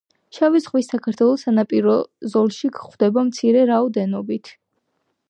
შავი ზღვის საქართველოს სანაპირო ზოლში გვხვდება მცირე რაოდენობით.